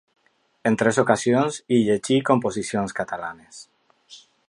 En tres ocasions, hi llegí composicions catalanes.